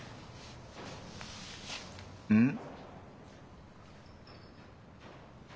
うん？